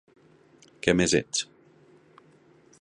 Què més ets?